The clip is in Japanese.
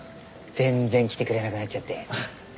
全然来てくれなくなっちゃって。